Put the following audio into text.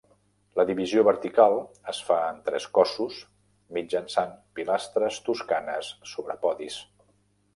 La divisió vertical es fa en tres cossos mitjançant pilastres toscanes sobre podis.